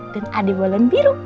dan adik balon biru